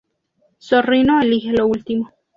Zorrino elige lo último.